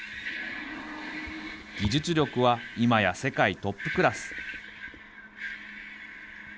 技術力は今や世界トップクラス。